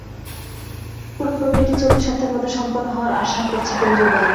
পুরো প্রক্রিয়াটি চলতি সপ্তাহের মধ্যে সম্পন্ন হওয়ার আশা করছে কেন্দ্রীয় ব্যাংক।